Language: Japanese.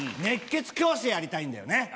熱血教師やりたいんだよね。